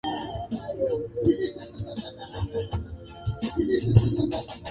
utegemezi wa dawa za kulevya hutofautianana utegemeaji wa dawana uzoevu wa dawa za